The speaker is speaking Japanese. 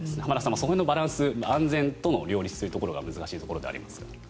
その辺のバランス安全との両立というのが難しいところではありますが。